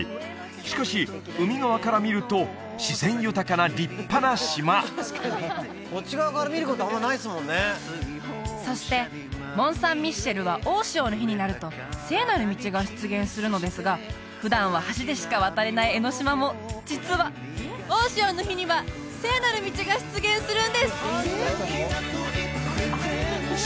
しかし海側から見ると自然豊かな立派な島そしてモン・サン・ミッシェルは大潮の日になると聖なる道が出現するのですが普段は橋でしか渡れない江の島も実は大潮の日には聖なる道が出現するんです！